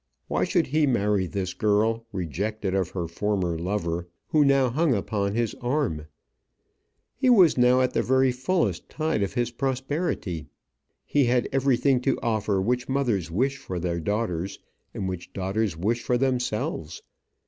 Why should he marry this girl, rejected of her former lover, who now hung upon his arm? He was now at the very fullest tide of his prosperity; he had everything to offer which mothers wish for their daughters, and which daughters wish for themselves.